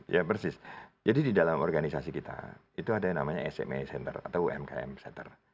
ya persis jadi di dalam organisasi kita itu ada yang namanya sma center atau umkm center